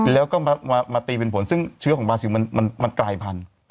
แล้วก็มาตีเป็นผลซึ่งเชื้อของบาซิลมันกลายพันธุ์